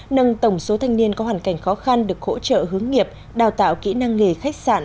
nâng tổng số thanh niên có hoàn cảnh khó khăn được hỗ trợ hướng nghiệp đào tạo kỹ năng nghề khách sạn